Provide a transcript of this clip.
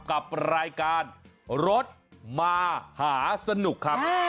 กับรายการรถมหาสนุกครับ